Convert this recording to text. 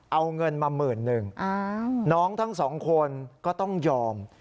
เอาเงินมาหมื่นหนึ่งน้องทั้งสองคนก็ต้องยอม